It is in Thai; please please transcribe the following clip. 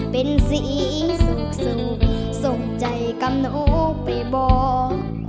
เป็นสีสุขส่งใจกับหนูไปบอก